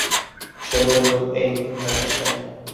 সে বলল, এই, ভয় পাস কেন?